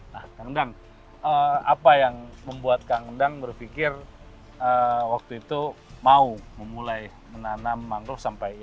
nah kang undang apa yang membuat kang undang berpikir waktu itu mau memulai menanam mangrove sampai ini